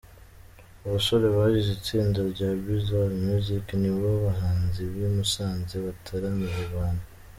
Abasore bagize itsinda rya Bizard Music nibo bahanzi b'i Musanze bataramiye abantu.